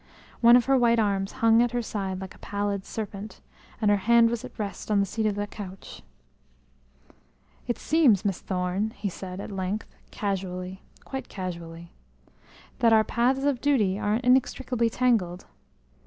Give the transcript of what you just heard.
One of her white arms hung at her side like a pallid serpent, and her hand was at rest on the seat of the couch. "It seems, Miss Thorne," he said at length, casually, quite casually, "that our paths of duty are inextricably tangled.